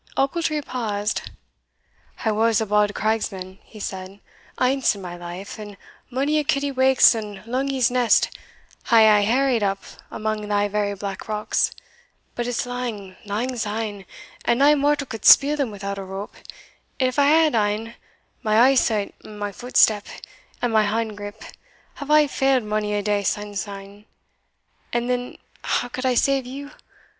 Ochiltree paused "I was a bauld craigsman," he said, "ance in my life, and mony a kittywake's and lungie's nest hae I harried up amang thae very black rocks; but it's lang, lang syne, and nae mortal could speel them without a rope and if I had ane, my ee sight, and my footstep, and my hand grip, hae a' failed mony a day sinsyne And then, how could I save you?